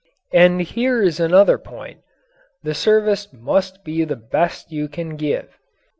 And here is another point. The service must be the best you can give.